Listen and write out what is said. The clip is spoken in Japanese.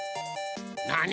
なに？